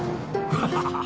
ハハハハ。